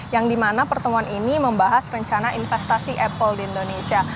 yang dimana pertemuan ini membahas rencana investasi apple di indonesia